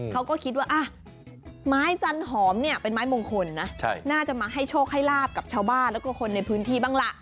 เขาก็คิดว่าไม้จันหอมเนี่ยเป็นไม้มงคลนะน่าจะมาให้โชคให้ลาบกับชาวบ้านแล้วก็คนในพื้นที่บ้างล่ะ